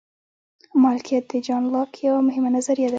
مالکیت د جان لاک یوه مهمه نظریه ده.